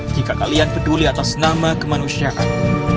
jika kalian peduli atas nama kemanusiaan